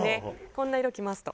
こんな色来ますと。